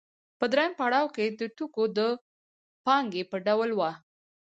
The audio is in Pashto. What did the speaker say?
په درېیم پړاو کې د توکو د پانګې په ډول وه